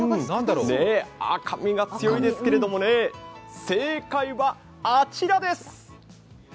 赤身が強いですけども、正解はあちらです。